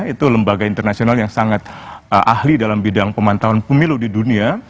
itu lembaga internasional yang sangat ahli dalam bidang pemantauan pemilu di dunia